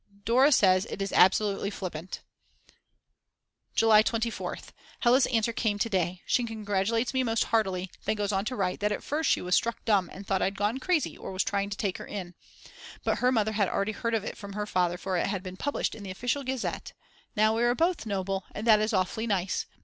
Dora says it is absolutely flippant. July 24th. Hella's answer came to day; she congratulates me most heartily, and then goes on to write that at first she was struck dumb and thought I'd gone crazy or was trying to take her in. But her mother had already heard of it from her father for it had been published in the Official Gazette. Now we are both noble, and that is awfully nice.